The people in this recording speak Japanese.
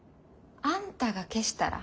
あんたが消したら。